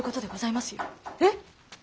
えっ！